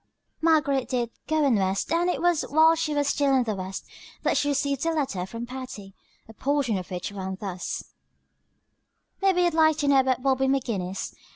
Margaret did "go on west," and it was while she was still in the west that she received a letter from Patty, a portion of which ran thus: "Mebbe youd like to know about Bobby McGinnis.